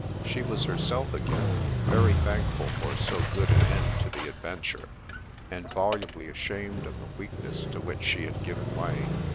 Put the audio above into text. She was herself again, very thankful for so good an end to the ad venture, and volubly ashamed of the weakness to which she had given way.